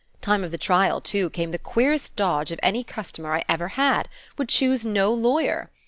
Time of the trial, too, came the queerest dodge of any customer I ever had. Would choose no lawyer.